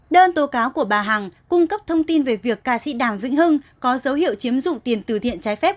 đơn tố cáo của bà hằng cung cấp thông tin về việc ca sĩ đàm vĩnh hưng có dấu hiệu chiếm dụng tiền từ thiện trái phép